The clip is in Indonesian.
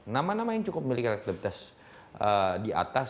nama nama yang cukup memiliki elektabilitas di atas